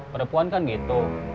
perepuan kan gitu